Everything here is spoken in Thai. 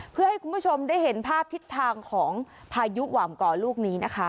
เพื่อให้คุณผู้ชมได้เห็นภาพทิศทางของพายุหว่ามก่อลูกนี้นะคะ